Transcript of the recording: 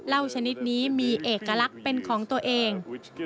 ชนิดนี้มีเอกลักษณ์เป็นของตัวเอง